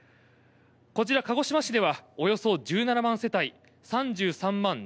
こちら、鹿児島市ではおよそ１７万世帯３３万７０００人